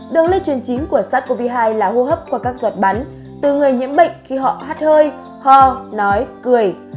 đường lây truyền chính của sars cov hai là hô hấp qua các giọt bắn từ người nhiễm bệnh khi họ hát hơi ho nói cười